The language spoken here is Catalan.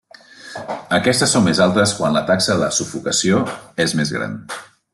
Aquestes són més altes quan la taxa de sufocació és més gran.